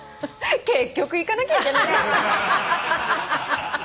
結局行かなきゃいけない。